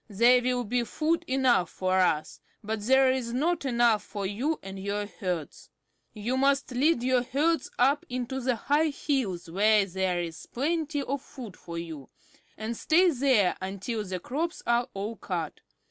"There will be food enough for us, but there is not enough for you and your herds. You must lead your herds up into the high hills where there is plenty of food for you, and stay there until the crops are all cut.